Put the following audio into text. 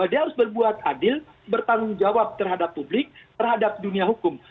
dia harus berbuat adil bertanggung jawab terhadap publik terhadap dunia hukum